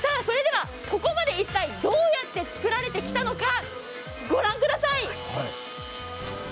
ここまで一体、どうやって作られてきたのか御覧ください。